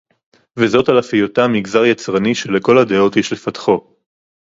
וזאת על אף היותם מגזר יצרני שלכל הדעות יש לפתחו